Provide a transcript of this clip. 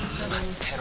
てろ